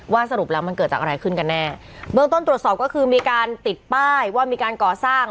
สรุปแล้วมันเกิดจากอะไรขึ้นกันแน่เบื้องต้นตรวจสอบก็คือมีการติดป้ายว่ามีการก่อสร้าง